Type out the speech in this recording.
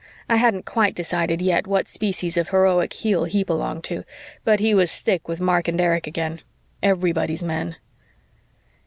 I hadn't quite decided yet what species of heroic heel he belonged to, but he was thick with Mark and Erich again. Everybody's men!